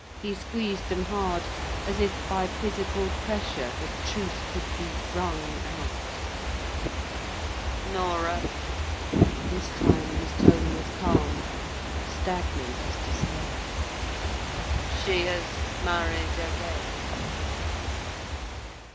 He squeezed them hard, as if by physical pressure, the truth could be wrung out. "Norah!" This time his tone was calm, stagnant as despair. "She has married again!"